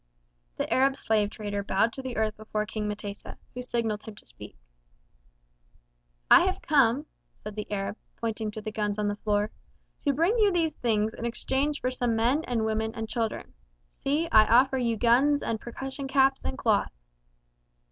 The Arab slave trader bowed to the earth before King M'tesa, who signalled to him to speak. "I have come," said the Arab, pointing to the guns on the floor, "to bring you these things in exchange for some men and women and children. See, I offer you guns and percussion caps and cloth."